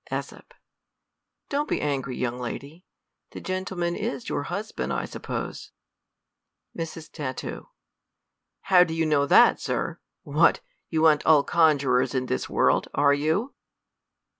,^s. Don't be angry, young lady ; the gentlemanis your husband, I suppose. Mrs, Tat, How do you know that, Su' ? What, you an't all conjurers in this world, are you